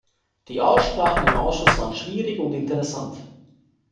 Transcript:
Die Aussprachen im Ausschuss waren schwierig und interessant.